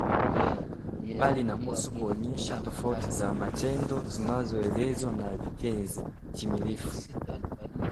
bali inahusu kuonyesha tofauti za matendo zinazoelezwa na vitenzi: timilifu